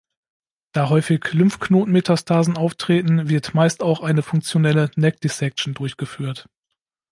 Da häufig Lymphknotenmetastasen auftreten, wird meist auch eine funktionelle Neck-Dissection durchgeführt.